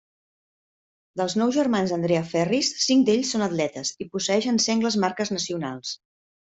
Dels nou germans d'Andrea Ferris, cinc d'ells són atletes i posseeixen sengles marques nacionals.